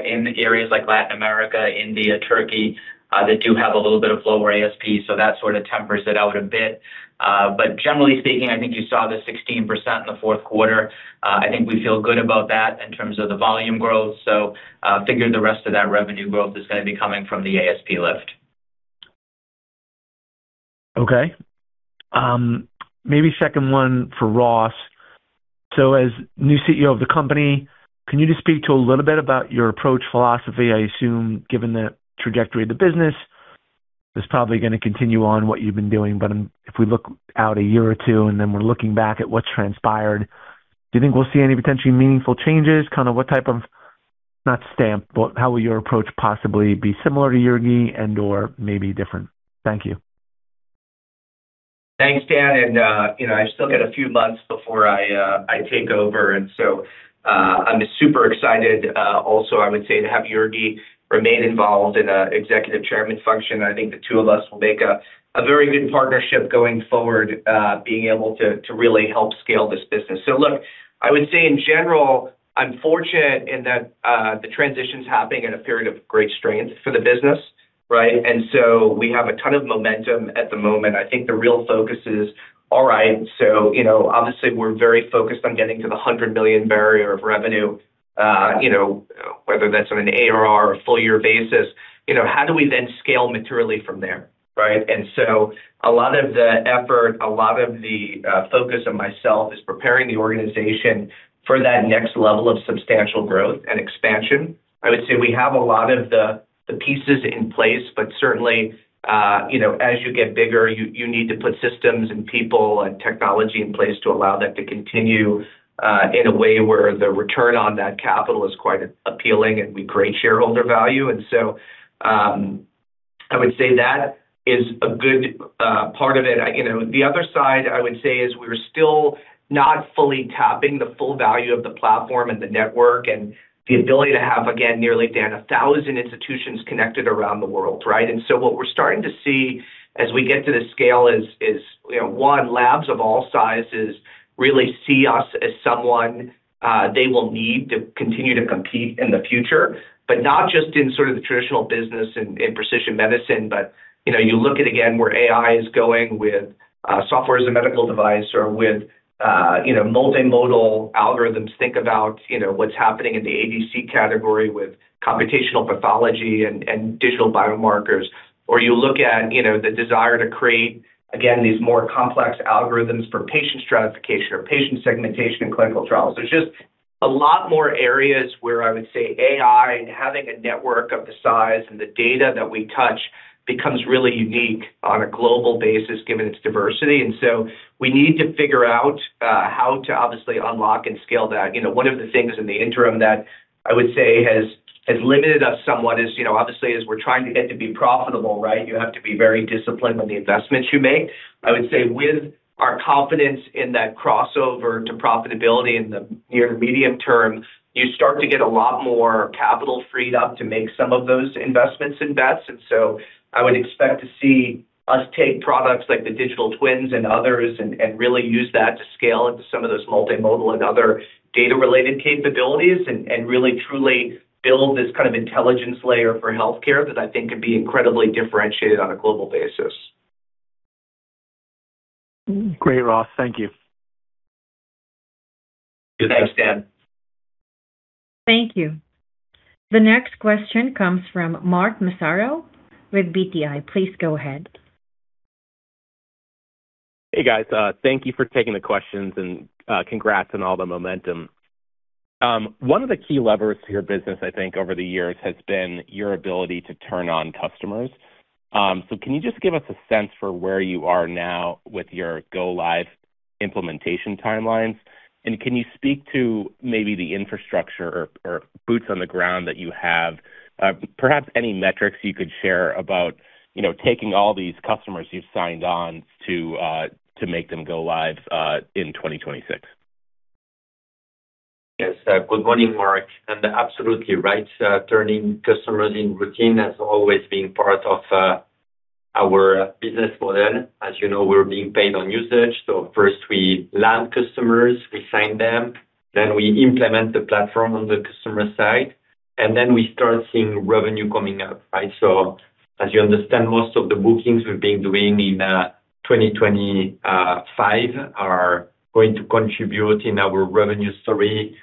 in areas like Latin America, India, Turkey, that do have a little bit of lower ASP, that sort of tempers it out a bit. Generally speaking, I think you saw the 16% in the fourth quarter. I think we feel good about that in terms of the volume growth. Figure the rest of that revenue growth is going to be coming from the ASP lift.
Okay. Maybe second one for Ross. As new CEO of the company, can you just speak to a little bit about your approach philosophy? I assume given the trajectory of the business, it's probably going to continue on what you've been doing. If we look out a year or two and then we're looking back at what's transpired, do you think we'll see any potentially meaningful changes? Kind of what type of how will your approach possibly be similar to Jurgi and/or maybe different? Thank you.
Thanks, Dan. You know, I've still got a few months before I take over, I'm super excited, also, I would say to have Jurgi remain involved in an executive chairman function. I think the two of us will make a very good partnership going forward, being able to really help scale this business. Look, I would say in general, I'm fortunate in that the transition's happening in a period of great strength for the business, right? We have a ton of momentum at the moment. I think the real focus is, all right, you know, obviously we're very focused on getting to the $100 million barrier of revenue, you know, whether that's on an ARR or full year basis. You know, how do we scale materially from there, right? A lot of the effort, a lot of the focus of myself is preparing the organization for that next level of substantial growth and expansion. I would say we have a lot of the pieces in place, but certainly, you know, as you get bigger, you need to put systems and people and technology in place to allow that to continue in a way where the return on that capital is quite appealing, and we create shareholder value. I would say that is a good part of it. You know, the other side I would say is we're still not fully tapping the full value of the platform and the network and the ability to have, again, nearly, Dan, 1,000 institutions connected around the world, right? What we're starting to see as we get to the scale is, you know, one, labs of all sizes really see us as someone, they will need to continue to compete in the future, but not just in sort of the traditional business in precision medicine. You know, you look at again where AI is going with Software as a Medical Device or with, you know, multimodal algorithms. Think about, you know, what's happening in the ABC category with computational pathology and digital biomarkers. You look at, you know, the desire to create, again, these more complex algorithms for patient stratification or patient segmentation in clinical trials. There's just a lot more areas where I would say AI and having a network of the size and the data that we touch becomes really unique on a global basis, given its diversity. We need to figure out how to obviously unlock and scale that. You know, one of the things in the interim that I would say has limited us somewhat is, you know, obviously, as we're trying to get to be profitable, right? You have to be very disciplined on the investments you make. I would say with our confidence in that crossover to profitability in the near medium term, you start to get a lot more capital freed up to make some of those investments and bets. I would expect to see us take products like the digital twins and others and really use that to scale into some of those multimodal and other data related capabilities and really truly build this kind of intelligence layer for healthcare that I think could be incredibly differentiated on a global basis.
Great, Ross. Thank you.
Thanks, Dan.
Thank you. The next question comes from Mark Massaro with BTIG. Please go ahead.
Hey, guys. Thank you for taking the questions and congrats on all the momentum. One of the key levers to your business, I think, over the years has been your ability to turn on customers. Can you just give us a sense for where you are now with your go live implementation timelines? Can you speak to maybe the infrastructure or boots on the ground that you have, perhaps any metrics you could share about, you know, taking all these customers you've signed on to to make them go live in 2026?
Yes. Good morning, Mark. Absolutely right. Turning customers in routine has always been part of our business model. As you know, we're being paid on usage. First we land customers, we sign them, then we implement the platform on the customer side, and then we start seeing revenue coming up, right? As you understand, most of the bookings we've been doing in 2025 are going to contribute in our revenue story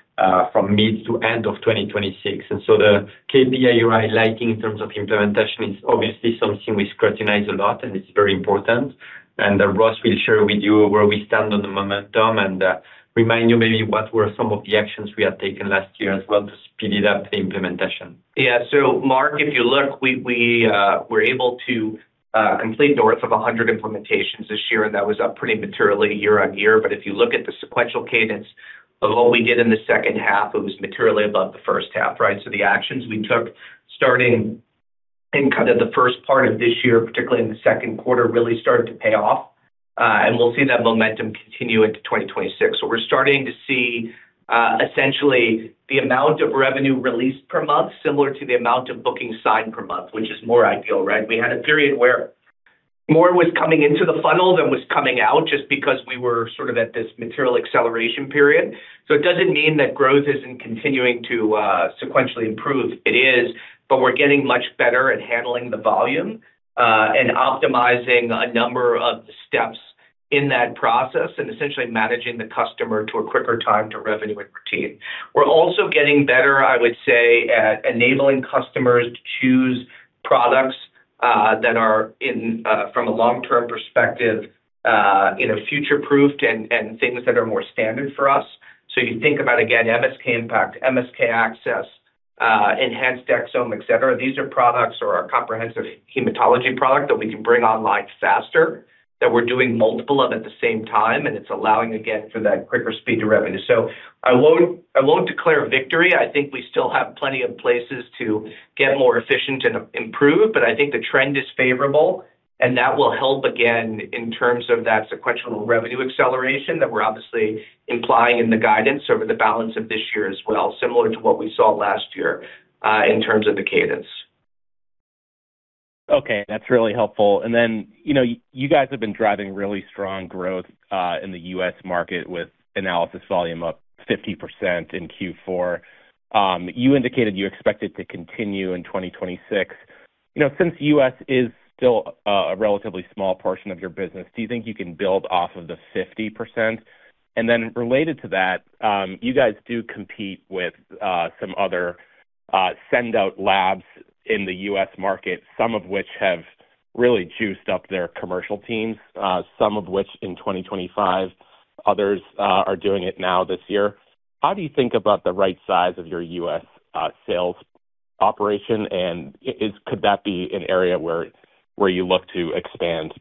from mid to end of 2026. The KPI you're highlighting in terms of implementation is obviously something we scrutinize a lot, and it's very important. Ross will share with you where we stand on the momentum and remind you maybe what were some of the actions we had taken last year as well to speed it up the implementation.
Yeah. Mark, if you look, we're able to complete north of 100 implementations this year, and that was up pretty materially year-over-year. If you look at the sequential cadence of what we did in the second half, it was materially above the first half, right? The actions we took starting in kind of the first part of this year, particularly in the second quarter, really started to pay off. We'll see that momentum continue into 2026. We're starting to see, essentially the amount of revenue released per month similar to the amount of bookings signed per month, which is more ideal, right? We had a period where more was coming into the funnel than was coming out just because we were sort of at this material acceleration period. It doesn't mean that growth isn't continuing to sequentially improve. It is, but we're getting much better at handling the volume, and optimizing a number of steps in that process and essentially managing the customer to a quicker time to revenue and routine. We're also getting better, I would say, at enabling customers to choose products, that are in, from a long-term perspective, you know, future-proofed and things that are more standard for us. You think about, again, MSK-IMPACT, MSK-ACCESS, Enhanced Exomes, et cetera. These are products or our comprehensive hematology product that we can bring online faster, that we're doing multiple of at the same time, and it's allowing again for that quicker speed to revenue. I won't declare victory. I think we still have plenty of places to get more efficient and improve, but I think the trend is favorable and that will help again in terms of that sequential revenue acceleration that we're obviously implying in the guidance over the balance of this year as well, similar to what we saw last year, in terms of the cadence.
Okay, that's really helpful. You know, you guys have been driving really strong growth in the U.S. market with analysis volume up 50% in Q4. You indicated you expect it to continue in 2026. You know, since U.S. is still a relatively small portion of your business, do you think you can build off of the 50%? Related to that, you guys do compete with some other send out labs in the U.S. market, some of which have really juiced up their commercial teams, some of which in 2025, others are doing it now this year. How do you think about the right size of your U.S. sales operation, and could that be an area where you look to expand?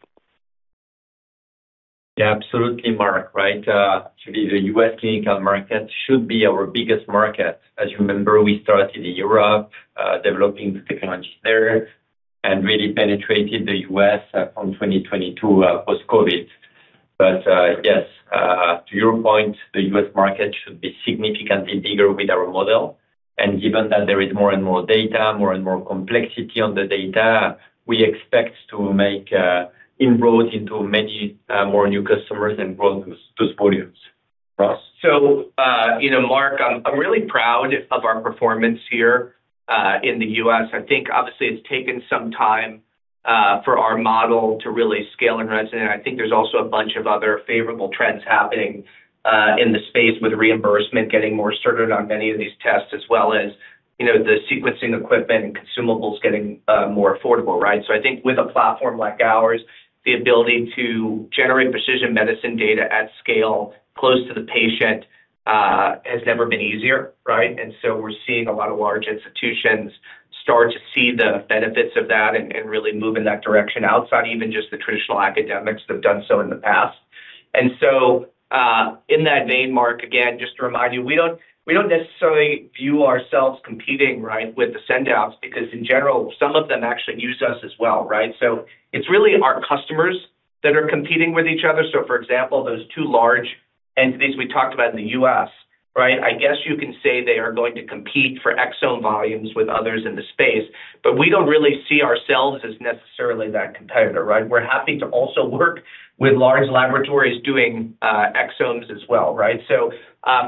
Yeah, absolutely, Mark, right. Actually the U.S. clinical market should be our biggest market. As you remember, we started in Europe, developing the technology there and really penetrated the U.S., from 2022, post-COVID. Yes, to your point, the U.S. market should be significantly bigger with our model. Given that there is more and more data, more and more complexity on the data, we expect to make inroads into many, more new customers and grow those volumes. Ross?
You know, Mark, I'm really proud of our performance here, in the U.S. I think obviously it's taken some time, for our model to really scale and resonate. I think there's also a bunch of other favorable trends happening, in the space with reimbursement getting more asserted on many of these tests, as well as, you know, the sequencing equipment and consumables getting, more affordable, right? I think with a platform like ours, the ability to generate precision medicine data at scale close to the patient, has never been easier, right? We're seeing a lot of large institutions start to see the benefits of that and really move in that direction outside even just the traditional academics that have done so in the past. In that vein, Mark, again, just to remind you, we don't necessarily view ourselves competing, right, with the send outs because in general some of them actually use us as well, right? It's really our customers that are competing with each other. For example, those two large entities we talked about in the U.S., right? I guess you can say they are going to compete for exome volumes with others in the space, but we don't really see ourselves as necessarily that competitor, right? We're happy to also work with large laboratories doing Exomes as well, right?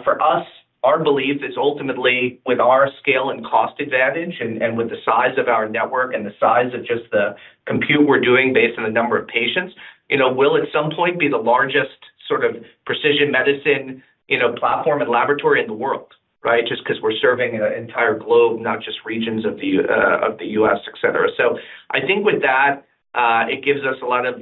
For us, our belief is ultimately with our scale and cost advantage and with the size of our network and the size of just the compute we're doing based on the number of patients, you know, we'll at some point be the largest sort of precision medicine, you know, platform and laboratory in the world, right. Just 'cause we're serving an entire globe, not just regions of the U.S., et cetera. I think with that, it gives us a lot of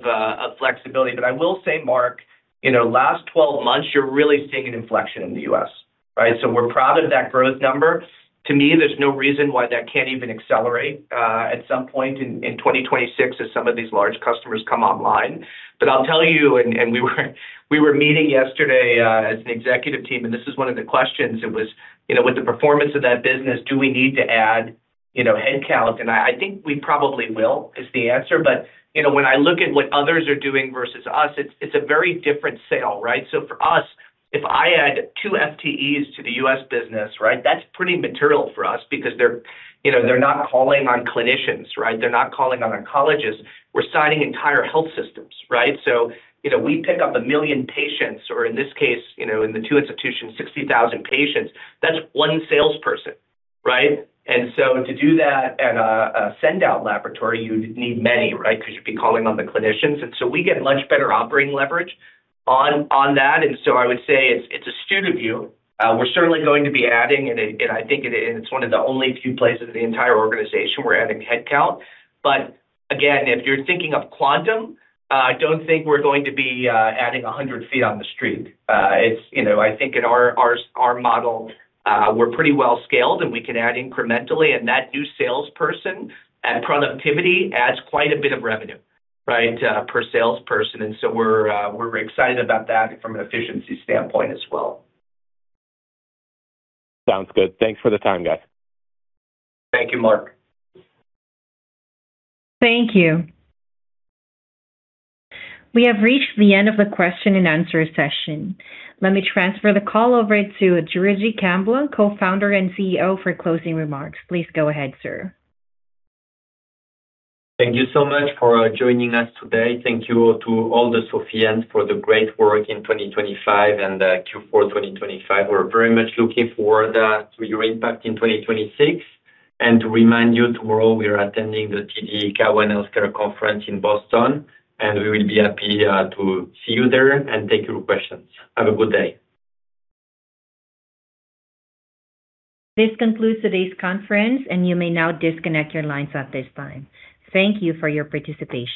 flexibility. I will say, Mark, you know, last 12 months you're really seeing an inflection in the U.S., right. We're proud of that growth number. To me, there's no reason why that can't even accelerate at some point in 2026 as some of these large customers come online. I'll tell you, and we were meeting yesterday as an executive team, and this is one of the questions. It was, you know, with the performance of that business, do we need to add, you know, headcount? I think we probably will, is the answer. You know, when I look at what others are doing versus us, it's a very different sale, right? For us, if I add two FTEs to the U.S. business, right? That's pretty material for us because they're, you know, they're not calling on clinicians, right? They're not calling on oncologists. We're signing entire health systems, right? You know, we pick up 1 million patients, or in this case, you know, in the two institutions, 60,000 patients, that's one1 salesperson, right? To do that at a send out laboratory, you'd need many, right? 'Cause you'd be calling on the clinicians. We get much better operating leverage on that. I would say it's astute of you. We're certainly going to be adding, and it's one of the only few places in the entire organization we're adding headcount. Again, if you're thinking of quantum, I don't think we're going to be adding 100 feet on the street. It's, you know, I think in our model, we're pretty well scaled, and we can add incrementally and that new salesperson and productivity adds quite a bit of revenue, right, per salesperson. We're excited about that from an efficiency standpoint as well.
Sounds good. Thanks for the time, guys.
Thank you, Mark.
Thank you. We have reached the end of the question- and-answer session. Let me transfer the call over to Jurgi Camblong, Co-founder and CEO for closing remarks. Please go ahead, sir.
Thank you so much for joining us today. Thank you to all the Sofians for the great work in 2025 and Q4 2025. We're very much looking forward to your impact in 2026. To remind you, tomorrow we are attending the TD Cowen Healthcare Conference in Boston, and we will be happy to see you there and take your questions. Have a good day.
This concludes today's conference, and you may now disconnect your lines at this time. Thank you for your participation.